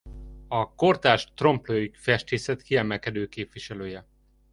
A kortárs Trompe-l’oeil festészet kiemelkedő képviselője.